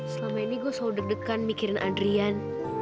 selama ini gue selalu deg degan mikirin adrian